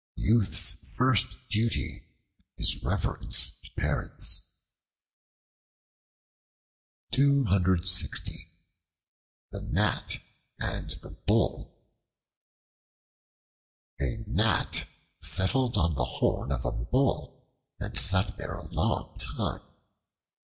Youth's first duty is reverence to parents. The Gnat and the Bull A GNAT settled on the horn of a Bull, and sat there a long time.